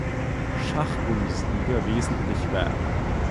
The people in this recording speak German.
Schachbundesliga wesentlich bei.